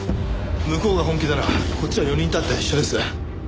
向こうが本気ならこっちは４人いたって一緒です。